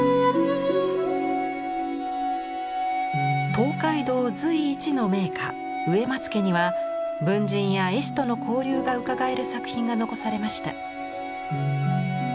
東海道随一の名家植松家には文人や絵師との交流がうかがえる作品が残されました。